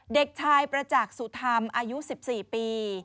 เด็กชายประจักษ์สุธรรมอายุ๑๔ปี